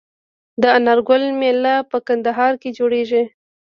د انار ګل میله په کندهار کې جوړیږي.